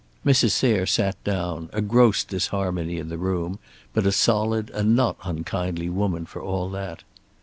Mrs. Sayre sat down, a gross disharmony in the room, but a solid and not unkindly woman for all that.